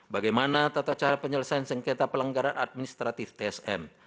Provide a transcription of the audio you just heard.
bagaimana tata cara penyelesaian sengketa pelanggaran administratif tsm